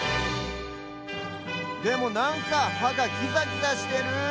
でもなんかはがキザギザしてる。